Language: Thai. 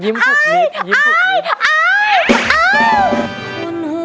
ยิ้มทุกนิดยิ้มทุกนิด